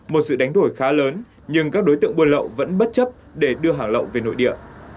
một sự đánh đổi khá lớn nhưng các đối tượng buôn lậu vẫn bất chấp để đưa hàng lậu về nội địa